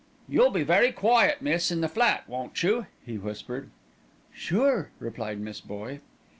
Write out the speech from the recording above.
"You'll be very quiet, miss, in the flat, won't you?" he whispered. "Sure," replied Miss Boye.